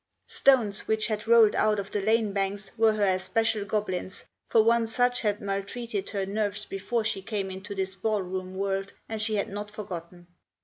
Stones which had rolled out of the lane banks were her especial goblins, for one such had maltreated her nerves before she came into this ball room world, and she had not forgotten.